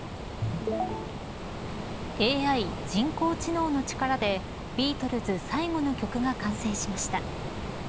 ＡＩ人工知能の力でビートルズ最後の曲が完成しました。